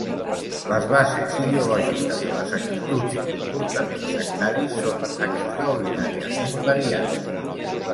Les bases ideològiques de les actituds i comportaments sectaris són extraordinàriament variats.